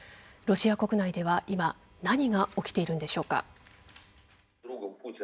ロシア国内では今何が起きているんでしょうか。